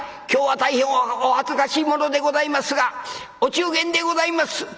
今日は大変お恥ずかしいものでございますがお中元でございます。